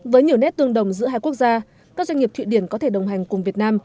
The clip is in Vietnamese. với nhiều nét tương đồng giữa hai quốc gia các doanh nghiệp thụy điển có thể đồng hành cùng việt nam